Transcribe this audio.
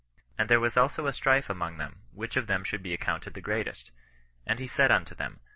And there was also a strife among them, which of them should be accounted the greatest. And he said unto them.